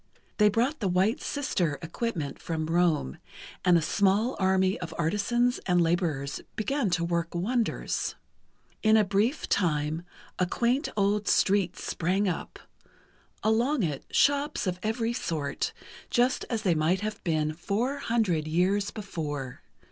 They brought the "White Sister" equipment from Rome, and a small army of artisans and laborers began to work wonders. In a brief time, a quaint old street sprang up—along it shops of every sort, just as they might have been four hundred years before